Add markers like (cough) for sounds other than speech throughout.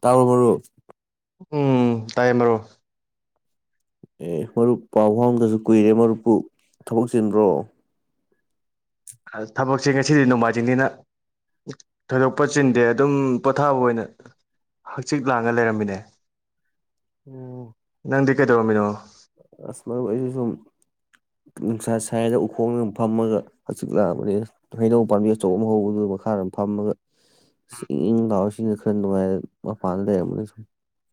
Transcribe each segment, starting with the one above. ꯇꯥꯥꯕ꯭ꯔꯣ ꯃꯔꯨꯞ ꯎꯝ ꯇꯥꯏ ꯃꯔꯨꯞ ꯑꯦ ꯃꯔꯨꯞ ꯄꯥꯎꯐꯥꯎꯅꯗꯁꯨ ꯀꯨꯏꯔꯦ ꯃꯔꯨꯞꯄꯨ ꯊꯕꯛ ꯆꯤꯟꯕ꯭ꯔꯣ ꯑꯁ ꯊꯕꯛꯁꯦ ꯉꯁꯤꯗꯤ ꯅꯣꯡꯃꯥꯏꯖꯤꯡꯅꯤꯅ ꯊꯣꯏꯗꯣꯛꯄ ꯆꯤꯟꯗꯦ ꯑꯗꯨꯝ ꯄꯣꯊꯥꯕ ꯑꯣꯏꯅ ꯍꯛꯆꯤꯠ ꯂꯥꯡꯉꯥ ꯂꯩꯔꯝꯃꯤꯅꯦ ꯎꯝ ꯅꯪꯗꯤ ꯀꯩꯗꯧꯔꯝꯃꯤꯅꯣ ꯑꯁ ꯃꯔꯨꯞ ꯑꯩꯁ ꯁꯨꯝ ꯅꯨꯡꯁꯥ ꯁꯥꯏꯑꯅ ꯎꯈꯣꯡꯗ ꯑꯗꯨꯝ ꯐꯝꯃꯒ ꯍꯪꯆꯤꯠ ꯂꯥꯡꯑꯝꯕꯅꯤꯗ ꯍꯩꯅꯧ ꯄꯥꯝꯕꯤ ꯑꯆꯧꯕ ꯑꯃ ꯍꯧꯕꯗꯨ ꯑꯗꯨ ꯃꯈꯥꯗꯝ ꯐꯝꯃꯒ ꯑꯁ ꯏꯪꯪ ꯏꯪ ꯂꯥꯎꯏ ꯁꯤꯅ ꯈꯔ ꯅꯨꯡꯉꯥꯏꯔ ꯃꯄꯥꯟꯗ ꯂꯩꯔꯝꯕꯅꯤ ꯁꯨꯝ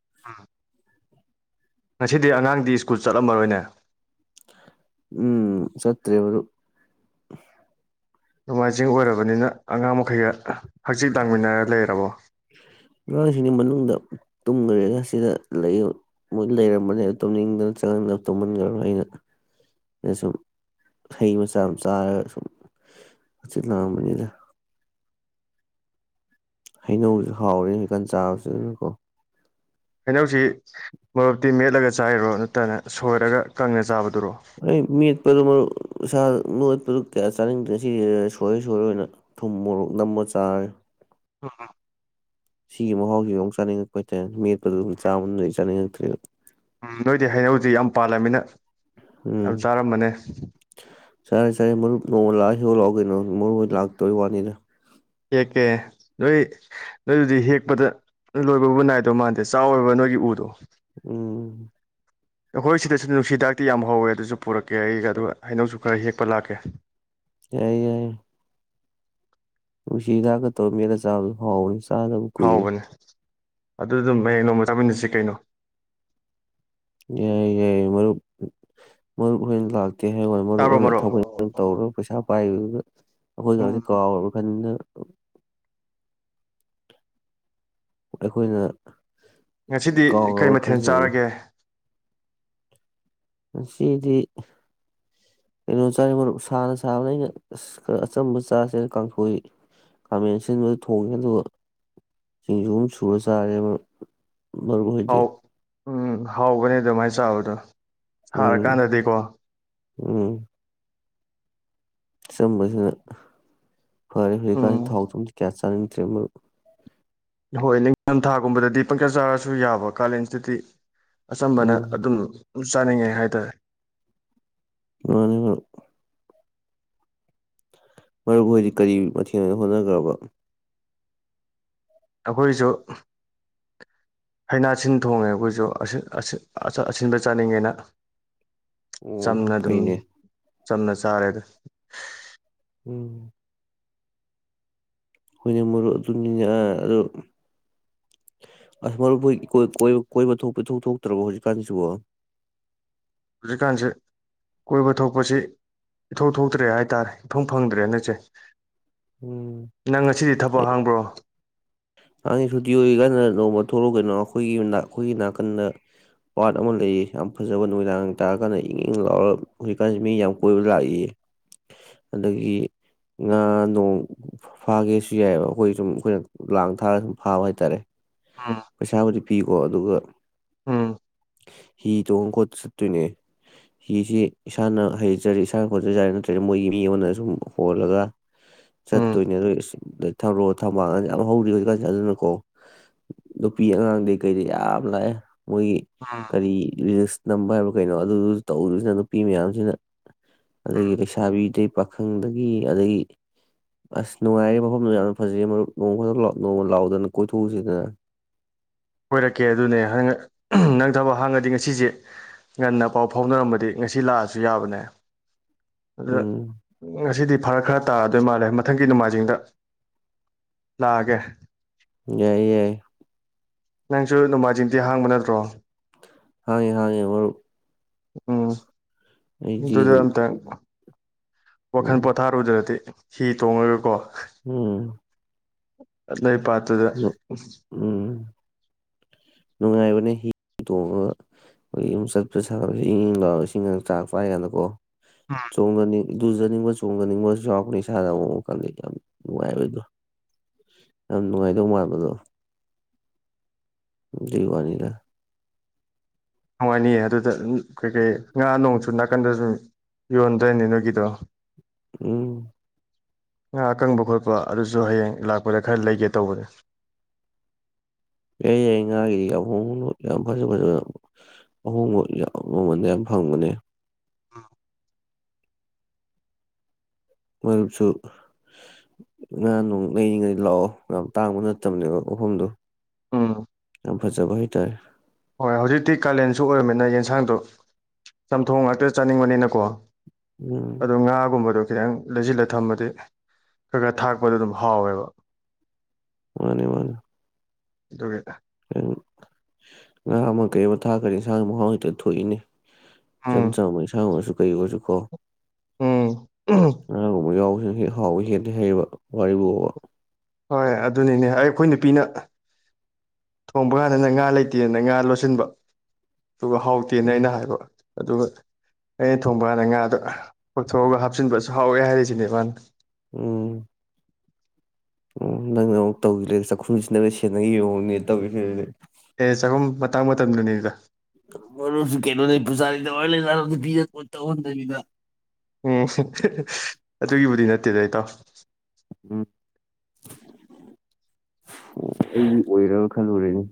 (unintelligible) ꯉꯁꯤꯗꯤ ꯑꯉꯥꯡꯗꯤ ꯁ꯭ꯀꯨꯜ ꯆꯠꯂꯝꯃꯔꯣꯏꯅꯦ ꯎꯝ ꯆꯠꯇ꯭ꯔꯦ ꯃꯔꯨꯞ ꯅꯣꯡꯃꯥꯏꯖꯤꯡ ꯑꯣꯏꯔꯕꯅꯤꯅ ꯑꯉꯥꯡ ꯃꯈꯩꯒ ꯍꯥꯡꯆꯤꯠ ꯂꯥꯡꯃꯤꯟꯅꯔ ꯂꯩꯔꯕꯣ ꯇꯨꯝꯒ꯭ꯔꯦꯗꯅ ꯁꯤꯗ ꯂꯩ ꯃꯣꯏ ꯂꯩꯔꯝꯕꯅꯤ ꯑꯗ ꯇꯨꯝꯅꯤꯡꯗꯅ ꯆꯪꯍꯟꯂ ꯇꯨꯝꯃꯟꯒ꯭ꯔꯃꯤ ꯑꯩꯅ ꯑꯩꯅ ꯁꯨꯝ ꯍꯩ ꯃꯆꯥ ꯑꯃ ꯆꯥꯔꯒ ꯁꯨꯝ ꯍꯪꯆꯤꯠ ꯂꯥꯡꯉꯝꯕꯅꯤꯗ ꯍꯩꯅꯧꯁꯨ ꯍꯥꯎꯔꯦ ꯍꯧꯖꯤꯀꯥꯟ ꯆꯥꯕꯁꯨ ꯍꯩꯅꯧꯁꯤ ꯃꯔꯨꯞꯇꯤ ꯃꯦꯠꯂꯒ ꯆꯥꯏꯔꯣ ꯅꯠꯇ꯭ꯔꯒꯅ ꯁꯣꯏꯔꯒ ꯀꯪꯅ ꯆꯥꯕꯗ ꯑꯩ ꯃꯦꯠꯄꯗꯨ ꯃꯔꯨꯞ ꯏꯁꯥ ꯅꯣꯏꯈꯠꯄꯗꯨ ꯀꯌꯥ ꯆꯥꯅꯤꯡꯗ꯭ꯔꯦ ꯁꯤꯖꯤꯅ ꯁꯣꯏꯔ ꯁꯣꯏꯔ ꯑꯣꯏꯅ ꯊꯨꯝ ꯃꯣꯔꯣꯛ ꯅꯝꯃ ꯆꯥꯔꯦ (unintelligible) ꯁꯤꯒꯤ ꯃꯍꯥꯎꯁꯤꯗ ꯑꯃꯨꯛ ꯆꯥꯅꯤꯡꯉꯛꯄ ꯇꯥꯏ ꯃꯦꯠꯄꯗꯨ ꯆꯥꯃꯟꯕꯩ ꯆꯥꯅꯤꯡꯉꯛꯇ꯭ꯔꯦ ꯎꯝ ꯅꯣꯏꯗꯤ ꯍꯩꯅꯧꯖꯤ ꯌꯥꯝ ꯄꯥꯜꯂꯃꯤꯅ ꯎꯝ ꯌꯥꯝ ꯆꯥꯔꯝꯃꯅꯤ ꯆꯥꯔꯦ ꯆꯥꯔꯦ ꯃꯔꯨꯞ ꯅꯣꯡꯃ ꯂꯥꯛꯑ ꯍꯦꯛꯎ ꯂꯥꯎ ꯀꯩꯅꯣ ꯃꯔꯨꯞ ꯍꫭꯏ ꯂꯥꯛꯇꯥꯕꯩ ꯋꯥꯅꯤꯗ ꯍꯦꯛ ꯀꯦ ꯅꯣꯏ ꯅꯣꯏꯗꯨꯗꯤ ꯍꯦꯛꯄꯗ ꯂꯣꯏꯕꯕꯨ ꯅꯥꯏꯗꯧ ꯃꯥꯟꯗꯦ ꯆꯥꯎꯋꯦꯕ ꯅꯣꯏꯒꯤ ꯎꯗꯣ ꯎꯝ ꯑꯩꯈꯣꯏ ꯁꯤꯗꯁꯨ ꯅꯨꯡꯁꯤꯍꯤꯗꯥꯛꯇꯤ ꯌꯥꯝ ꯍꯧꯋꯦ ꯑꯗꯨꯁꯨ ꯄꯨꯔꯛꯀꯦ ꯑꯩ ꯑꯗꯨꯒ ꯍꯩꯅꯧꯁꯨ ꯈꯔ ꯍꯦꯛꯄ ꯂꯥꯛꯀꯦ ꯌꯥꯏꯌꯦ ꯌꯥꯏꯌꯦ ꯅꯨꯡꯁꯤ ꯍꯤꯗꯥꯛꯀ ꯇꯧꯔ ꯃꯦꯠꯂ ꯆꯥꯕꯗꯨ ꯍꯥꯎꯕꯅꯤ ꯆꯥꯗꯕ ꯀꯨꯏꯔꯦ ꯍꯥꯎꯕꯅꯦ ꯑꯗꯨ ꯑꯗꯨꯝ ꯍꯌꯦꯡ ꯅꯣꯡꯃ ꯆꯥꯃꯤꯟꯅꯁꯤ ꯀꯩꯅꯣ ꯌꯥꯏꯌꯦ ꯌꯥꯏꯌꯦ ꯃꯔꯨꯞ ꯃꯔꯨꯞ ꯍꯣꯏꯅ ꯂꯥꯛ ꯍꯌꯦꯡꯋꯥꯏ ꯃꯔꯨꯞ ꯍꯣꯏꯅ ꯊꯕꯛ ꯏꯪꯈꯥꯡ ꯇꯧꯔꯒ ꯄꯩꯁꯥ ꯄꯥꯏꯒ꯭ꯔꯒ ꯑꯩꯈꯣꯏ ꯎꯝ ꯒꯁꯦ ꯀꯥꯎꯔꯕ ꯈꯟꯗꯅ ꯑꯩꯈꯣꯏꯅ ꯉꯁꯤꯗꯤ ꯀꯔꯤ ꯀꯥꯎꯔꯕ ꯃꯊꯦꯜ ꯈꯜꯂꯤꯅꯤ ꯆꯥꯔꯒꯦ ꯉꯁꯤꯗꯤ ꯀꯩꯅꯣ ꯆꯥꯏꯌꯦ ꯃꯔꯨꯞ ꯁꯥꯅ ꯁꯥꯕꯅꯦ ꯑꯩꯅ ꯑꯁ ꯈꯔ ꯑꯆꯝꯕ ꯆꯥꯁꯦꯅ ꯀꯥꯡꯁꯣꯏ ꯈꯥꯃꯦꯟ ꯑꯁꯤꯟꯕꯗꯨ ꯊꯣꯡꯉꯦ ꯑꯗꯨꯒ ꯁꯤꯡꯖꯨ ꯑꯃ ꯁꯨꯔ ꯆꯥꯔꯦ ꯃꯔꯨꯞ ꯃꯔꯨꯞꯍꯣꯏꯗꯤ ꯍꯥꯎ ꯎꯝ ꯍꯥꯎꯕꯅꯦ ꯑꯗꯨꯃꯥꯏ ꯆꯥꯕꯗꯨ꯫ ꯎꯝ ꯁꯥꯔꯀꯥꯟꯗꯗꯤꯀꯣ ꯑꯆꯝꯕꯖꯤꯅ ꯐꯔꯦ ꯎꯝ ꯍꯨꯖꯤꯛꯀꯥꯟꯖꯤ ꯊꯥꯎ ꯊꯨꯝ ꯀꯌꯥ ꯆꯥꯅꯤꯡꯇ꯭ꯔꯦ ꯃꯔꯨꯞ ꯍꯣꯏ ꯅꯤꯡꯊꯝꯊꯥꯒꯨꯝꯕꯗꯗꯤ ꯄꯪꯆꯥ ꯆꯥꯔꯁꯨ ꯌꯥꯕ ꯀꯥꯂꯦꯟꯁꯤꯗꯗꯤ ꯑꯆꯝꯕꯅ ꯎꯝ ꯑꯗꯨꯝ ꯆꯥꯅꯤꯡꯉꯦ ꯍꯥꯏꯇꯥꯔꯦ ꯃꯥꯅꯦꯕ ꯃꯔꯨꯞ ꯍꯣꯏꯗꯤ ꯀꯔꯤ ꯃꯊꯦꯜꯅ ꯍꯣꯠꯅꯒ꯭ꯔꯕ? ꯑꯈꯣꯏꯁꯨ ꯍꯩꯅꯥ ꯁꯤꯟ ꯊꯣꯡꯉꯦ ꯑꯈꯣꯏꯁꯨ ꯑꯁꯤꯟ ꯑꯁꯤꯟ ꯑꯥ ꯑꯁꯤꯟꯕ ꯆꯥꯅꯤꯡꯉꯦꯅ꯫ ꯑꯣ ꯆꯝꯅ ꯑꯗꯨꯝ ꯐꯩꯅꯦ꯫ ꯆꯝꯅ ꯆꯥꯔꯦꯗ꯫ ꯎꯝ꯫ ꯍꯣꯏꯅꯦ ꯃꯔꯨꯞ ꯑꯗꯨꯅꯤꯅꯦ ꯑ ꯑꯗꯨ ꯑꯁ ꯃꯔꯨꯨꯞ ꯍꯣꯏ ꯢꯀꯣꯏ ꯀꯣꯏꯕ ꯀꯣꯏꯕ ꯊꯣꯛꯄ ꯏꯊꯣꯛ ꯊꯣꯛꯇ꯭ꯔꯕꯣ ꯍꯨꯖꯤꯛꯀꯥꯟꯁꯤꯕꯣ? ꯍꯨꯖꯤꯛꯀꯥꯟꯁꯤ ꯀꯣꯢꯕ ꯊꯣꯛꯄꯁꯤ ꯢꯊꯣꯛ ꯊꯣꯛꯇ꯭ꯔꯦ ꯍꯥꯢꯇꯥꯔꯦ꯫ ꯢꯐꯪ ꯐꯪꯗ꯭ꯔꯦ ꯍꯟꯗꯛꯁꯦ꯫ ꯎꯝ ꯅꯪ ꯉꯁꯤꯗꯤ ꯊꯕꯛ ꯍꯥꯡꯕ꯭ꯔꯣ? ꯑꯗꯨꯅꯦ ꯁꯨꯇꯤ ꯑꯣꯏꯔꯤ ꯀꯥꯟꯗꯅ ꯅꯣꯡꯃ ꯊꯣꯛꯂꯛꯑꯣ ꯀꯩꯅꯣ ꯑꯈꯣꯏꯒꯤ ꯃꯅꯥꯛ ꯑꯈꯣꯏꯒꯤ ꯅꯥꯀꯟꯗ ꯄꯥꯠ ꯑꯃ ꯂꯩꯌꯦ ꯌꯥꯝ ꯐꯖꯕ ꯅꯨꯃꯤꯗꯥꯡ ꯇꯥꯔ ꯀꯥꯟꯗ ꯏꯪ ꯏꯪ ꯂꯥꯎꯔ ꯍꯨꯖꯤꯛꯀꯥꯟꯖꯦ ꯃꯤ ꯌꯥꯝ ꯀꯣꯏꯕ ꯂꯥꯛꯏꯌꯦ꯫ ꯑꯗꯒꯤ ꯉꯥ ꯅꯣꯡ ꯐꯥ ꯐꯥꯒꯦꯁꯨ ꯌꯥꯏꯌꯦꯕ ꯑꯈꯣꯏ ꯁꯨꯝ ꯑꯈꯣꯏꯅ ꯂꯥꯡ ꯊꯥꯔ ꯁꯨꯝ ꯐꯥꯕ ꯍꯥꯏꯇꯥꯔꯦ꯫ ꯎꯝ ꯄꯩꯁꯥꯕꯨꯗꯤ ꯄꯤꯀꯣ ꯑꯗꯨꯒ ꯎꯝ ꯍꯤ ꯇꯣꯡ ꯈꯣ ꯆꯠꯇꯣꯏꯅꯦ ꯍꯤꯁꯤ ꯏꯁꯥꯅ ꯍꯩꯖꯔ ꯏꯁꯥꯅ ꯈꯣꯠꯆ ꯌꯥꯔꯦ ꯅꯠꯇ꯭ꯔꯗꯤ ꯃꯣꯏꯒꯤ ꯃꯤ ꯑꯃꯗ ꯁꯨꯝ ꯍꯣꯜꯂꯒ ꯆꯠ ꯎꯝ ꯇꯣꯏꯅꯔꯣꯏ ꯑꯁ ꯑꯗꯩ ꯊꯔꯣ ꯊꯝꯕꯥꯜ ꯌꯥꯝ ꯍꯧꯔꯤ ꯍꯧꯖꯤꯛꯀꯥꯟꯁꯤ ꯑꯗꯨꯅꯀꯣ ꯅꯨꯄꯤ ꯑꯉꯥꯡꯗꯤ ꯀꯩꯗꯤ ꯌꯥꯝ ꯂꯥꯛꯑꯦ ꯃꯣꯏꯒꯤ ꯀꯔꯤ ꯅꯝꯕ ꯍꯥꯏꯕ ꯀꯩꯅꯣ ꯑꯗꯨꯗꯨ ꯇꯧꯗꯁꯤꯅ ꯅꯨꯄꯤ ꯃꯌꯥꯝꯁꯤꯅ ꯑꯗꯒꯤ ꯂꯩꯁꯥꯕꯤꯗꯒꯤ ꯄꯥꯈꯪꯗꯒꯤ ꯑꯗꯒꯤ ꯑꯁ ꯅꯨꯡꯉꯥꯏꯔꯦ ꯃꯐꯝꯗꯨ ꯌꯥꯝꯅ ꯐꯖꯩ ꯃꯔꯨꯞ ꯅꯣꯡꯃ ꯈꯛꯇ ꯅꯣꯡꯃ ꯂꯥꯎꯗꯅ ꯀꯣꯏꯊꯣꯛꯎꯁꯤꯗꯅ ꯀꯣꯏꯔꯛꯀꯦ ꯑꯗꯨꯅꯦ ꯅꯪ ꯊꯕꯛ ꯍꯥꯡꯉꯗꯤ ꯉꯁꯤꯁꯦ ꯉꯟꯅ ꯄꯥꯎ ꯐꯥꯎꯅꯔꯝꯃꯗꯤ ꯉꯁꯤ ꯂꯥꯛꯑꯁꯨ ꯌꯥꯕꯅꯦ ꯑꯗꯨꯗ ꯎꯝ ꯉꯁꯤꯗꯤ ꯐꯔ ꯈꯔ ꯇꯥꯔꯗꯣꯏ ꯃꯥꯜꯂꯦ ꯃꯊꯪꯒꯤ ꯅꯣꯡꯃꯥꯏꯖꯤꯡꯗ ꯂꯥꯛꯑꯒꯦ ꯌꯥꯏꯌꯦ ꯌꯥꯏꯌꯦ ꯅꯪꯁꯨ ꯅꯣꯡꯃꯥꯏꯖꯤꯡꯗꯤ ꯍꯥꯡꯕ ꯅꯠꯇ꯭ꯔꯣ ꯍꯥꯡꯉꯦ ꯍꯥꯡꯉꯦ ꯃꯔꯨꯞ ꯎꯝ ꯑꯩꯗꯤ ꯑꯗꯨꯗ ꯑꯗꯨꯝ ꯑꯝꯇ ꯋꯥꯈꯟ ꯎꯝ ꯄꯣꯊꯥꯔꯨꯗ꯭ꯔꯥꯗꯤ ꯍꯤ ꯇꯣꯡꯉꯒꯀꯣ ꯎꯝ ꯂꯩ ꯄꯥꯠ ꯗꯨꯗ ꯎꯝ ꯅꯨꯡꯉꯥꯏꯕꯅꯦ ꯍꯤ ꯇꯣꯡꯉꯒ ꯈꯣꯏ ꯌꯨꯝ ꯆꯠꯄ ꯁꯥꯕꯖꯦ ꯏꯪꯪ ꯏꯪ ꯂꯥꯎꯌꯦ ꯏꯁꯤꯡꯒ ꯆꯥꯛ ꯄꯥꯏ ꯀꯥꯟꯗꯀꯣ ꯆꯣꯡꯉꯅꯤ ꯂꯨꯖꯅꯤꯡꯕ ꯆꯣꯡꯖꯅꯤꯡꯕꯁꯨ ꯌꯥꯎꯔꯛꯄꯅꯦ ꯏꯁꯥꯗ ꯑꯃꯨꯃꯨ ꯈꯪꯗꯦ ꯌꯥꯝ ꯅꯨꯡꯉꯥꯏꯕꯩꯗꯣ ꯌꯝ ꯅꯨꯉꯥꯏ ꯗꯧꯃꯥꯟꯕꯗꯣ ꯗꯨꯏ ꯋꯥꯅꯤꯗ ꯅꯨꯡꯉꯥꯏꯅꯤꯌꯦ ꯑꯗꯨꯗ ꯅ ꯀꯩ ꯀꯩ ꯉꯥ ꯅꯣꯡꯁꯨ ꯅꯥꯀꯟꯗꯖꯨꯟ ꯌꯣꯟꯗ꯭ꯔꯣꯏꯅꯤ ꯅꯣꯏꯒꯤꯗꯣ ꯎꯝ ꯉ ꯑꯀꯪꯕ ꯈꯣꯠꯄ ꯑꯗꯨꯖꯨ ꯍꯌꯦꯡ ꯂꯥꯛꯄꯗ ꯈꯔ ꯂꯩꯒꯦ ꯇꯧꯕꯅꯦ ꯌꯩ ꯌꯥꯏ ꯉꯥꯒꯤꯗꯤ ꯑꯍꯣꯡꯅꯣ ꯌꯥꯝ ꯐꯖ ꯐꯖꯕ ꯑꯍꯣꯡꯕ ꯌꯝ ꯃꯃꯜꯗ ꯌꯥꯝ ꯐꯪꯕꯅꯦ ꯃꯔꯨꯞꯁꯨ ꯉꯥ ꯅꯨꯡ ꯂꯩꯅꯤꯡꯉꯩ ꯂꯥꯛꯑꯣ ꯌꯥꯝ ꯇꯥꯡꯕ ꯅꯠꯇꯝꯅꯦꯕ ꯃꯐꯝꯗꯨ ꯎꯝ ꯌꯥꯝ ꯐꯖꯕ ꯍꯥꯏꯇꯥꯔꯦ ꯍꯣꯏ ꯍꯧꯖꯤꯛꯇꯤ ꯀꯥꯂꯦꯟꯁꯨ ꯑꯣꯏꯔꯝꯃꯤꯅ ꯌꯦꯟꯁꯥꯡꯗꯣ ꯆꯝꯊꯣꯡ ꯉꯥꯛꯇ ꯆꯥꯅꯤꯡꯕꯅꯤꯅꯀꯣ ꯎꯝ ꯑꯗꯣ ꯉꯥꯒꯨꯝꯕꯗꯣ ꯈꯤꯇꯪ ꯂꯩꯖꯤꯜꯂ ꯊꯝꯃꯗꯤ ꯈ ꯒꯥ ꯊꯥꯛꯄꯗꯣ ꯑꯗꯨꯝ ꯍꯥꯎꯌꯦꯕ ꯃꯥꯅꯦ ꯃꯥꯅ ꯗꯨꯒꯤ ꯑ ꯎꯝ ꯉꯥ ꯑꯃ ꯀꯩ ꯑꯃ ꯊꯥ ꯀꯔꯤ ꯏꯁꯥꯡ ꯃꯍꯥꯎ ꯍꯦꯛꯇ ꯊꯣꯛꯏꯅꯦ ꯎꯝ ꯆꯝꯆꯥꯃ ꯏꯟꯁꯥꯡ ꯑꯣꯏꯔꯖꯨ ꯀꯩ ꯑꯣꯏꯖꯨ ꯀꯣ ꯎꯝ ꯉꯥ ꯒꯨꯝꯔ ꯌꯥꯎ ꯍꯦꯍꯦꯛ ꯍꯥꯎꯕ ꯍꯦꯗꯦ ꯍꯥꯏꯌꯦꯕ ꯋꯥꯔꯤꯕꯨꯕ ꯋꯣ ꯍꯣꯏ ꯑꯗꯨꯅꯤꯅꯦ ꯑꯩ ꯑꯈꯣꯏ ꯅꯨꯄꯤꯅ ꯑ ꯊꯣꯡꯕ ꯀꯥꯟꯗꯅ ꯉꯥ ꯂꯩꯇꯦꯅ ꯉꯥ ꯂꯣꯠꯁꯤꯟꯕ ꯗꯨꯒ ꯍꯥꯎꯇꯦꯅ ꯎꯝ ꯑꯩꯅ ꯍꯥꯏꯕ ꯑꯗꯨꯒ ꯑꯩꯅ ꯊꯣꯡꯕ ꯀꯥꯟꯗ ꯉꯥꯗꯣ ꯄꯛꯊꯣꯛꯑꯒ ꯍꯥꯞꯆꯤꯟꯕ ꯁ ꯍꯥꯎꯋꯦ ꯍꯥꯏꯔꯤꯁꯤꯅꯦ ꯃꯥꯅ ꯎꯝ ꯑꯣ ꯅꯪꯅ ꯑꯃꯨꯛ ꯇꯧꯖꯤꯜꯂꯦ ꯆꯥꯛꯈꯨꯝꯁꯤ ꯅ ꯁꯦꯟꯅꯒꯤꯕ ꯃꯑꯣꯡꯅꯦ ꯇꯧꯔꯤꯁꯦꯗꯤ ꯑꯦ ꯆꯥꯛꯈꯨꯝ ꯃꯇꯥꯡ ꯃꯇꯝꯗꯨꯅꯤꯗ ꯃꯔꯨꯞꯁꯦ ꯀꯩꯅꯣꯅꯦ ꯄꯨꯖꯔꯥꯗ ꯑꯣꯏ ꯂꯩꯖꯠꯂꯣ ꯅꯨꯄꯤꯗ ꯑꯨꯟ ꯇꯩꯍꯟꯗꯕꯤꯗ ꯎꯝ ꯑꯗꯨꯒꯤꯕꯨꯗꯤ ꯅꯠꯇꯦꯗ ꯏꯇꯥꯎ ꯑꯣ ꯑꯩꯗꯤ ꯑꯣꯏꯔꯕ ꯈꯜꯔꯨꯔꯦꯍꯦ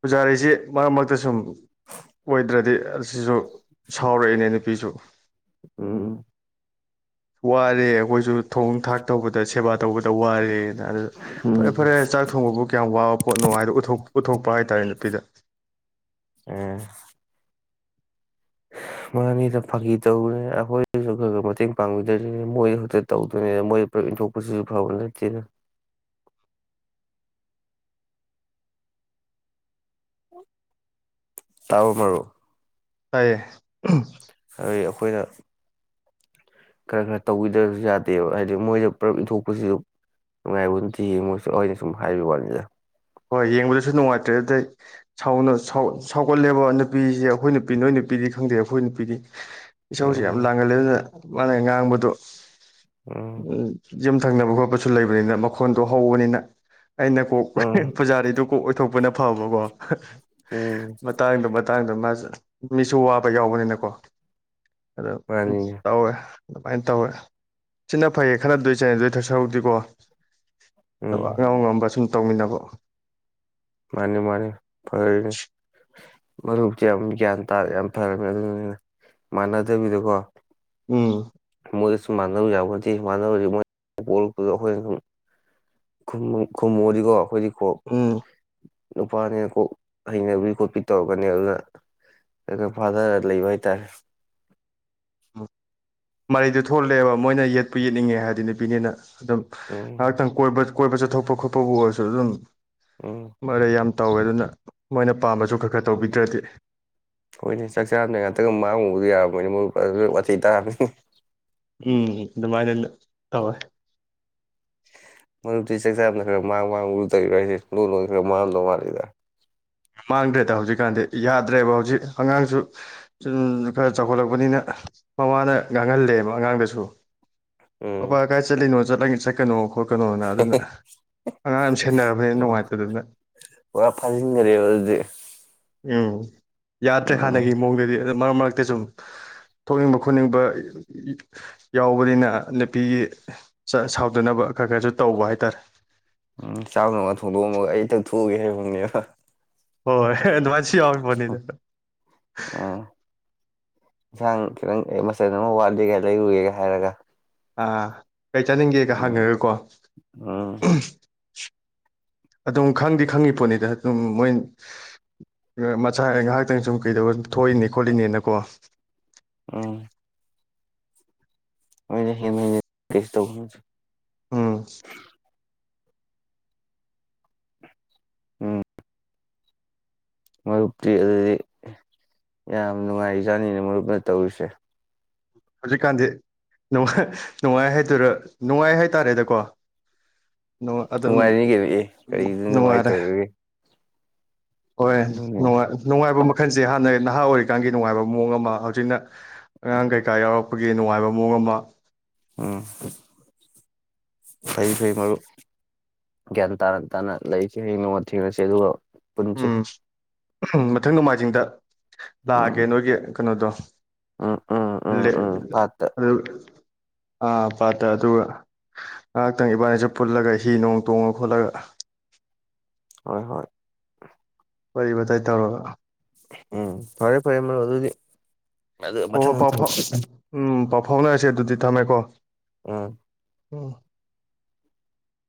ꯄꯨꯖꯥꯔꯤꯖꯦ ꯃꯔꯛ ꯃꯔꯛꯇ ꯁꯨꯝ ꯑꯣꯏꯗ꯭ꯔꯗꯤ ꯑꯁꯤꯖꯨ ꯁꯥꯎꯔꯛꯏꯅꯦ ꯅꯨꯄꯤꯁꯨ ꯎꯝ ꯎꯝ ꯋꯥꯔꯦ ꯑꯈꯣꯏꯁꯨ ꯊꯣꯡ ꯊꯥꯛ ꯇꯧꯕꯗ ꯁꯦꯕꯥ ꯇꯧꯕꯗ ꯋꯥꯔꯦꯅ ꯑꯗꯨ ꯐꯔꯦ ꯎꯝ ꯐꯔꯦ ꯆꯥꯛ ꯊꯣꯡꯕꯕꯨ ꯀꯌꯥꯝ ꯋꯥꯕ ꯄꯣꯠꯅꯣ ꯍꯥꯏꯗꯣ ꯎꯊꯣꯛ ꯎꯊꯣꯛ ꯄꯥ ꯍꯥꯏꯇꯥꯔꯦ ꯅꯨꯄꯤꯗ ꯑ ꯍ ꯃꯅꯤꯗ ꯐꯥꯒꯤ ꯇꯧꯕꯅꯦ ꯑꯈꯣꯏꯗꯁꯨ ꯈꯔ ꯈꯔ ꯃꯇꯦꯡ ꯄꯥꯡꯕꯤꯗꯔꯤꯅꯦ ꯃꯣꯏ ꯍꯨꯠꯇ ꯇꯧꯗꯣꯏꯅꯦ ꯃꯣꯏ ꯄꯨꯂꯞ ꯏꯟꯊꯣꯛꯄꯁꯤꯁꯨ ꯐꯕ ꯅꯠꯇꯦꯅ ꯇꯥꯎ ꯃꯔꯨ ꯇꯥꯏꯌꯦ ꯑꯍꯝ ꯈꯣꯏꯅ ꯈꯔ ꯈꯔ ꯇꯧꯕꯤꯗꯕꯁꯨ ꯌꯥꯗꯦꯕ ꯍꯥꯏꯗꯤ ꯃꯣꯏꯗ ꯄꯨꯂꯞ ꯏꯟꯊꯣꯛꯄꯁꯤꯁꯨ ꯅꯨꯡꯉꯥꯏꯕꯠꯇꯦ ꯌꯦꯡꯉꯣ ꯆꯠꯂꯣꯏꯅ ꯁꯨꯝ ꯍꯥꯏꯕ ꯋꯅꯤꯗ ꯍꯣꯏ ꯌꯦꯡꯕꯗꯁꯨ ꯅꯨꯡꯉꯥꯏꯇ꯭ꯔꯦ ꯑꯗꯩꯥꯎ ꯁꯥꯎꯒꯠꯂꯦꯕ ꯅꯨꯄꯤꯁꯦ ꯑꯩꯈꯣꯏ ꯅꯨꯄꯤ ꯅꯣꯏ ꯅꯨꯄꯤꯗꯤ ꯈꯪꯗꯦ ꯑꯩꯈꯣꯏ ꯅꯨꯄꯤꯗꯤ ꯏꯁꯧꯁꯤ ꯌꯥꯝ ꯎꯝ ꯂꯥꯡꯒꯜꯂꯦ ꯑꯗꯨꯅ ꯃꯥꯅ ꯉꯥꯡꯕꯗꯨꯣ ꯎꯝ ꯌꯨꯝ ꯊꯪꯅꯕ ꯈꯣꯠꯄꯁꯨ ꯂꯩꯕꯅꯤꯅ ꯃꯈꯣꯟꯗꯣ ꯍꯧꯕꯅꯤꯅ ꯑꯩꯅ ꯀꯣꯛ ꯎꯝ ꯄꯨꯖꯥꯔꯤꯗꯨ ꯀꯣꯛ ꯑꯣꯏꯊꯣꯛꯄꯅ ꯐꯕꯀꯣ ꯎꯝ ꯃꯇꯥꯡꯗꯣ ꯃꯇꯥꯡꯗꯣ ꯃꯥꯁ ꯃꯤꯁꯨ ꯋꯥꯕ ꯌꯥꯎꯕꯅꯤꯅꯀꯣ ꯑꯗꯣ ꯃꯥꯅꯤꯅꯦ ꯇꯧꯋꯦ ꯑꯗꯨꯃꯥꯏꯅ ꯇꯧꯔꯦ ꯁꯤꯅ ꯐꯩꯌꯦ ꯈꯅꯗꯣꯏ ꯆꯅꯦꯗꯣꯏ ꯊ ꯁꯔꯨꯛꯇꯤꯀꯣ ꯎꯝ ꯑꯉꯝ ꯉꯝꯕꯁꯨ ꯇꯧꯃꯤꯟꯅꯕ ꯃꯥꯅꯤ ꯃꯥꯅꯤ ꯐꯅꯤ ꯃꯔꯨꯞꯁꯦ ꯌꯥꯝ ꯒ꯭ꯌꯥꯟ ꯇꯥ ꯌꯥꯝ ꯐꯔꯅꯤ ꯑꯗꯨꯅꯤꯅ ꯃꯥꯟꯅꯗꯕꯤꯗꯀꯣ ꯎꯝ ꯃꯣꯏꯗꯁꯨ ꯃꯥꯟꯅꯔꯨ ꯌꯥꯄꯣꯟꯇꯦ ꯃꯥꯟꯅꯔꯨꯔꯗꯤ ꯃꯣꯏ ꯑꯩꯈꯣꯏꯅ ꯁ ꯈꯨꯝꯃꯨꯔꯗꯤꯀꯣ ꯑꯩꯈꯣꯏꯗꯤ ꯍ ꯎꯝ ꯅꯨꯄꯥꯅꯤꯅ ꯀꯣꯛ ꯍꯩꯅꯕꯤ ꯈꯣꯠꯄꯤ ꯇꯧꯔꯛꯀꯅꯦ ꯑꯗꯨꯅ ꯈꯔ ꯈꯔ ꯐꯥꯊꯔ ꯂꯩꯕ ꯍꯥꯏꯇꯥꯔꯦ ꯎꯝ ꯃꯔꯩꯗꯨ ꯊꯣꯛꯂꯛꯑꯦꯕ ꯃꯣꯏꯅ ꯌꯦꯠꯄꯨ ꯌꯦꯠꯅꯤꯡꯉꯦ ꯍꯥꯏꯗꯤ ꯅꯨꯄꯤꯅꯤꯅ ꯑꯗꯨꯝ ꯎꯝ ꯉꯥꯏꯍꯥꯛꯇꯪ ꯀꯣꯏꯕ ꯑꯀꯣꯏꯕ ꯆꯠꯊꯣꯛꯄ ꯈꯣꯠꯄꯕꯨ ꯑꯣꯏꯔꯁꯨ ꯑꯗꯨꯝ ꯎꯝ ꯃꯔꯩ ꯌꯥꯝ ꯇꯧꯋꯦ ꯑꯗꯨꯅ ꯃꯣꯏꯅ ꯄꯥꯝꯕꯁꯨ ꯈꯔ ꯈꯔ ꯎꯝ ꯇꯧꯕꯤꯗ꯭ꯔꯗꯤ ꯍꯣꯏꯅꯦ ꯆꯥꯛ ꯆꯥꯔꯝꯗꯥꯢ ꯉꯥꯛꯇꯒ ꯃꯥꯡꯉꯨꯕꯗꯤ ꯌꯥꯕ꯭ꯔꯥ ꯃꯣꯏ ꯋꯥꯊꯤ ꯇꯥꯅꯤ ꯎꯝ ꯑꯗꯨꯃꯥꯏꯅ ꯇꯧꯋꯦ ꯃꯔꯨꯞꯇꯤ ꯆꯥꯛ ꯆꯥꯝꯔꯝꯗꯥꯢ ꯈꯔ ꯃꯥꯡꯕꯗꯣ ꯇꯧꯔꯤꯕ꯭ꯔꯣ ꯍꯥꯏꯁꯦ ꯂꯣꯟ ꯂꯣꯟꯅ ꯈꯔ ꯃꯥꯡꯉꯝꯗꯧ ꯃꯥꯜꯂꯤꯗ ꯃꯥꯡꯗ꯭ꯔꯦꯗ ꯍꯧꯖꯤꯛꯀꯥꯟꯗꯤ ꯌꯥꯗ꯭ꯔꯦꯕ ꯍꯧꯖꯤꯛ ꯑꯉꯥꯡꯁꯨ ꯈꯔ ꯆꯥꯎꯈꯠꯂꯛꯄꯅꯤꯅ ꯃꯃꯥꯅ ꯉꯥꯡꯍꯜꯂꯦꯕ ꯑꯉꯥꯡꯗꯁꯨ ꯑꯄꯥ ꯎꯝ ꯀꯥꯏ ꯆꯂꯅꯣ ꯆꯂꯒ ꯆꯠꯀꯅꯣ ꯑꯩꯈꯣꯏ ꯀꯩꯅꯣꯅ ꯑꯗꯨꯅ ꯑꯉꯥꯡ ꯌꯥꯝ ꯁꯦꯟꯅꯔꯕꯅꯤꯅ ꯑꯣ ꯅꯨꯡꯉꯥꯏꯇꯗꯅ ꯄꯨꯔꯥ ꯐꯥꯖꯤꯟꯈꯔꯦꯕ ꯑꯗꯨꯗꯤ ꯎꯝ ꯌꯥꯗ꯭ꯔꯦ ꯎꯝ ꯍꯥꯟꯅꯒꯤ ꯃꯑꯣꯡꯗꯗꯤ ꯑꯗꯨ ꯃꯔꯛ ꯃꯔꯛꯇ ꯁꯨꯝ ꯊꯣꯛꯅꯤꯡꯕ ꯈꯣꯠꯅꯤꯡꯕ ꯌꯥꯎꯕꯅꯤꯅ ꯅꯨꯄꯤꯒꯤ ꯁꯥꯎꯗꯅꯕ ꯈꯔ ꯈꯔꯁꯨ ꯇꯧꯕ ꯍꯥꯏ ꯇꯔꯦ ꯎꯝ ꯆꯥꯛꯀꯨꯝꯕ ꯊꯣꯡꯗꯣꯛꯑꯝꯃꯒ ꯑꯩ ꯊꯛ ꯊꯣꯛꯑꯒꯦ ꯍꯥꯏꯕꯅꯦꯕ ꯍꯣꯏ ꯍ ꯑꯗꯨ ꯅꯤꯗ ꯎꯝ ꯏꯟꯁꯥꯡ ꯈꯤꯇꯪ ꯃꯆꯟ ꯑꯃ ꯋꯥꯠꯂꯤꯒ ꯂꯩꯔꯨꯒꯦꯒ ꯍꯥꯏꯔꯒ ꯑꯥ ꯀꯩ ꯆꯥꯅꯤꯡꯒꯦꯒ ꯎꯝ ꯍꯪꯉꯥꯒꯀꯣ ꯎꯝ ꯑꯗꯨꯝ ꯈꯪꯗꯤ ꯈꯪꯉꯤ ꯄꯣꯠꯅꯤꯗ ꯑꯗꯨꯝ ꯃꯣꯏ ꯃꯆꯥ ꯉꯥꯏꯍꯥꯛꯇꯪ ꯁꯨꯝ ꯀꯩꯗꯧꯕ ꯊꯣꯛꯏꯅꯤ ꯈꯣꯠꯂꯤꯅꯦꯅꯀꯣ ꯎꯝ ꯍꯣꯏꯅꯦ ꯍꯦꯟꯅꯤꯅꯦ ꯇꯦꯁꯠ ꯇꯧꯏ ꯎꯝ ꯎꯝ ꯃꯔꯨꯞꯇꯤ ꯑꯗꯨꯗꯤ ꯌꯥꯝ ꯅꯨꯡꯉꯥꯏꯔꯤꯖꯥꯠꯅꯤꯅꯦ ꯃꯔꯨꯞꯅ ꯇꯧꯔꯤꯁꯦ ꯍꯧꯖꯤꯛꯀꯥꯟꯗꯤ ꯅꯨꯡꯉꯥꯏ ꯍꯥꯏꯗꯨꯔ ꯅꯨꯡꯉꯥꯏ ꯍꯥꯏꯇꯥꯔꯦꯗꯀꯣ ꯑꯗꯨꯝ ꯅꯨꯡꯉꯥꯏꯔꯤꯅꯤ ꯀꯩꯅꯣ ꯀꯔꯤꯗ ꯅꯨꯡꯉꯥꯏꯔꯦ ꯅꯨꯡꯉꯥꯏꯇꯔꯤꯒꯦ ꯍꯣꯏ ꯅꯨꯡꯉꯥꯏ ꯅꯨꯡꯉꯥꯏꯕꯃꯛ ꯃꯈꯜꯁꯦ ꯍꯥꯟꯅ ꯅꯍꯥ ꯑꯣꯏꯔꯤꯀꯥꯟꯒꯤ ꯅꯨꯡꯉꯥꯏꯕ ꯃꯑꯣꯡ ꯑꯃ ꯍꯧꯖꯤꯛꯅ ꯎꯝ ꯑꯉꯥꯡꯒꯩ ꯑꯈꯣꯏꯒꯤ ꯅꯨꯡꯉꯥꯏꯕ ꯃꯑꯣꯡ ꯑꯃ ꯎꯝ ꯐꯩ ꯐꯩ ꯃꯔꯨꯞ ꯒ꯭ꯌꯥꯟ ꯇꯥꯅ ꯇꯥꯅ ꯂꯩꯁꯦ ꯍꯥꯌꯦꯡ ꯅꯣꯡꯃ ꯊꯦꯡꯅꯁꯦ ꯑꯗꯨꯒ ꯄꯨꯟꯁꯤ ꯎꯝ ꯃꯊꯪ ꯅꯣꯡꯃꯥꯏꯖꯤꯡꯗ ꯂꯥꯛꯑꯒꯦ ꯎꯝ ꯅꯣꯏꯒꯤ ꯀꯩꯅꯣꯗꯣ ꯎꯝ ꯎꯝ ꯎꯝ ꯎꯝ ꯄꯥꯠꯇ ꯑꯗꯨ ꯑꯥ ꯄꯥꯠꯇ ꯑꯗꯨꯒ ꯉꯥꯏꯍꯥꯛꯇꯪ ꯏꯕꯥꯅꯤꯁꯨ ꯄꯨꯜꯂꯒ ꯍꯤ ꯅꯣꯡ ꯇꯣꯡꯉ ꯍꯣꯜꯂꯒ ꯍꯣꯏ ꯍꯣꯏ ꯋꯥꯔꯤ ꯋꯇꯥꯏ ꯇꯧꯔꯒ ꯎꯝ ꯐꯔꯦ ꯐꯔꯦ ꯃꯔꯨꯞ ꯑꯗꯨꯗꯤ ꯑꯗꯨ ꯍꯣꯏ ꯍꯣꯏ ꯃꯊꯪ ꯄꯥꯎ ꯃꯊꯪ ꯐꯥꯎ ꯎꯝ ꯄꯥꯎ ꯐꯥꯎꯅꯔꯁꯦ ꯑꯗꯨꯗꯤ ꯊꯝꯃꯦ ꯀꯦ ꯎꯝ ꯎꯝ